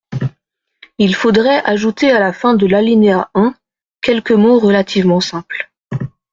Il faudrait ajouter à la fin de l’alinéa un quelques mots relativement simples.